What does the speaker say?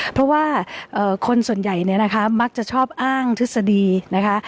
เพราะว่าคนส่วนใหญ่เนี่ยนะคะมักจะชอบอ้างทฤษฎีนะคะ